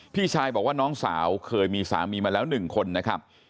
พี่ชายบอกว่าน้องสาวเคยมีสามีมาแล้ว๑คนนะครับ